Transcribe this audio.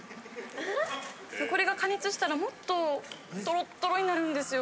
これが加熱したらもっとトロットロになるんですよ